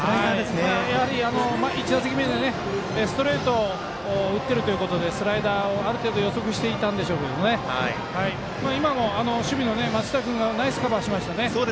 やはり１打席目でストレートを打っているということでスライダーをある程度予測していたんでしょうけど今も守備の松下君がナイスカバーしましたね。